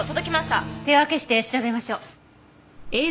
手分けして調べましょう。